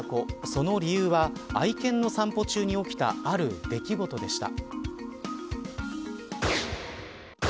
その理由は愛犬の散歩中に起きたある出来事でした。